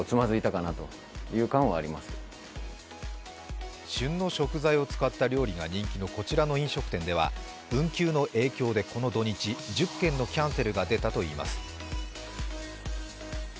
さらに旬の食材を使った料理が人気のこちらの飲食店では運休の影響でこの土日、１０件のキャンセルが出たといいます。